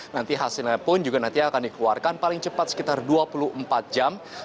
nanti hasilnya pun juga nanti akan dikeluarkan paling cepat sekitar dua puluh empat jam